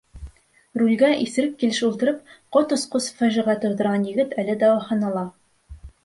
Рулгә иҫерек килеш ултырып, ҡот осҡос фажиғә тыуҙырған егет әле дауаханала.